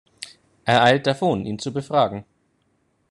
Er eilt davon, ihn zu befragen.